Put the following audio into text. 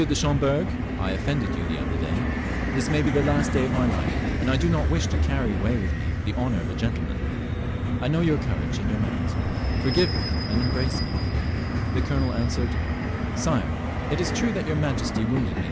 de Schomberg, I offended you the other day ; this may be the last day of my Hfe, and I do not wish to carry away with me the honour of a gentleman. I know your courage and your merit. Forgive me, and embrace me." The colonel answered, *' Sire, it is true that your majesty wounded me 302 HENRY IV. [CH.